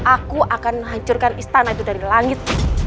aku akan hancurkan istana itu dari langit